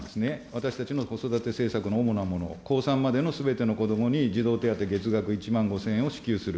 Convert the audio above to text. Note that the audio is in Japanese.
私たちの子育て政策の主なもの、高３までのすべての子どもに児童手当月額１万５０００円を支給する。